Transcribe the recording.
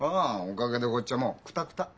おかげでこっちはもうクタクタ。